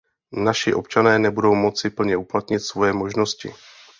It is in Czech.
Naši občané nebudou moci plně uplatnit svoje možnosti.